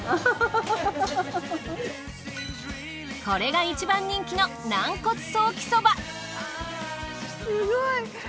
これが一番人気のすごい！